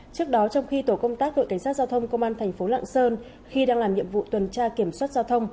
trước đó trong khi tổ công tác đội cảnh sát giao thông công an thành phố lạng sơn khi đang làm nhiệm vụ tuần tra kiểm soát giao thông